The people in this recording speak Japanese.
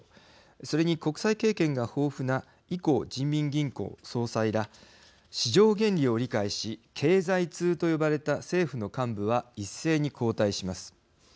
それに、国際経験が豊富な易こう人民銀行総裁ら市場原理を理解し経済通と呼ばれた政府の幹部は一斉に交代します。